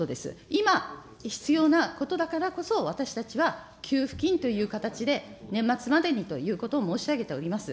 今必要なことだからこそ、私たちは給付金という形で年末までにということを申し上げております。